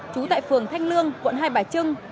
trú tại phường thanh lương quận hai bài trưng